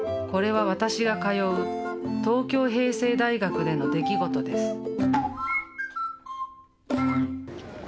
これは私が通う東京平成大学での出来事です。